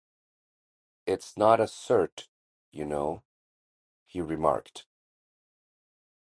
“It’s not a cert, you know,” he remarked.